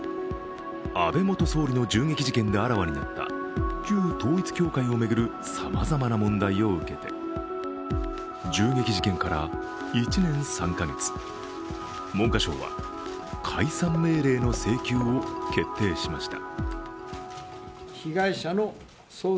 安倍元総理の銃撃事件であらわになった旧統一教会を巡るさまざまな問題を受けて銃撃事件から１年３か月、文科省は解散命令の請求を決定しました。